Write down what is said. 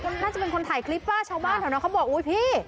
น่าจะเป็นคนถ่ายคลิปป่ะชาวบ้านแถวนั้นเขาบอกอุ๊ยพี่